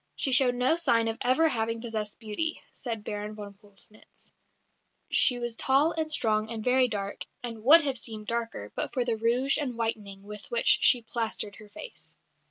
"She showed no sign of ever having possessed beauty," says Baron von Pöllnitz; "she was tall and strong and very dark, and would have seemed darker but for the rouge and whitening with which she plastered her face."